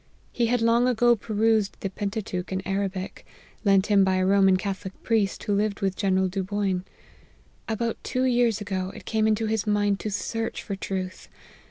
He had long ago perused the Pentateuch in Arabic, lent him by a Roman Catholic priest, who lived with General Duboin. About two years ago, it came into his mind to search for truth.